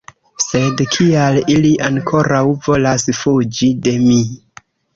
Sed kial ili ankoraŭ volas fuĝi de mi?